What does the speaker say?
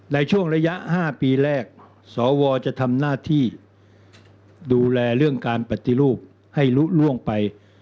ในช่วงระยะ๕ปีแรกสวจะทำหน้าที่ดูแลเรื่องการปฏิรูปให้ลุล่วงไป